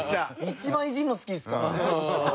一番いじるの好きですからね。